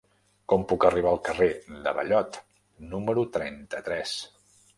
Com puc arribar al carrer de Ballot número trenta-tres?